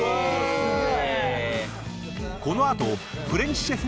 すげえ！